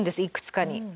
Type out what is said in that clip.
いくつかに。